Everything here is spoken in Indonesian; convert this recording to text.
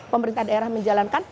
pemerintah daerah menjalankan